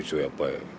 やっぱり。